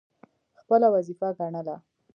خپله وظیفه ګڼله.